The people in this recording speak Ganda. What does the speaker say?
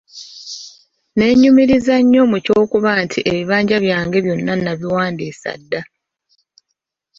Nneenyumiriza nnyo mu ky'okuba nti ebibanja byange byonna nabiwandiisa dda.